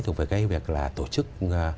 thuộc về cái việc là tổ chức